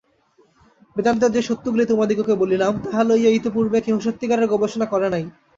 বেদান্তের যে সত্যগুলি তোমাদিগকে বলিলাম, তাহা লইয়া ইতঃপূর্বে কেহ সত্যিকারের গবেষণা করে নাই।